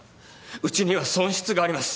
うちには損失があります。